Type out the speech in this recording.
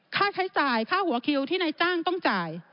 ค่าใช้จ่ายค่าหัวคิวที่นายจ้างต้องจ่าย